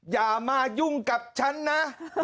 อย่ามายุ่งกับฉันนะ